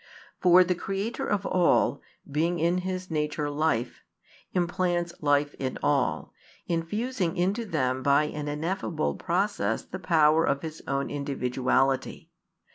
For the Creator of all, being in His nature Life, implants life in all, infusing into them by an ineffable process the power of His own Individuality.